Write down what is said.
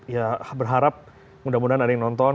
ya berharap mudah mudahan ada yang nonton